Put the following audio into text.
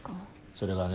それがね